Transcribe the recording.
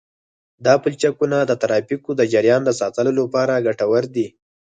دا پلچکونه د ترافیکو د جریان د ساتلو لپاره ګټور دي